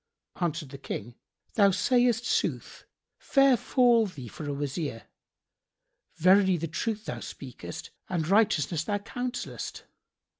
Answered the King, "Thou sayest sooth! Fair fall thee for a Wazir! Verily the truth thou speakest and righteousness thou counsellest.